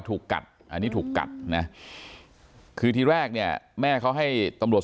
ถูกกัดอันนี้ถูกกัดนะคือทีแรกเนี่ยแม่เขาให้ตำรวจ